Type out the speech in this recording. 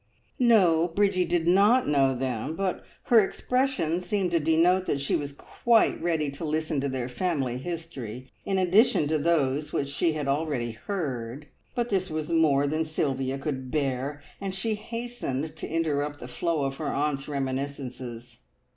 No, Bridgie did not know them, but her expression seemed to denote that she was quite ready to listen to their family history, in addition to those which she had already heard. But this was more than Sylvia could bear, and she hastened to interrupt the flow of her aunt's reminiscences.